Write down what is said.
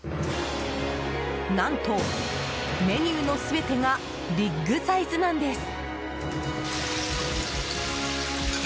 何と、メニューの全てがビッグサイズなんです。